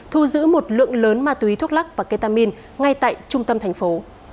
thu giữ một lượng lớn ma túy thuốc lắc và ketamin ngay tại trung tâm thành phố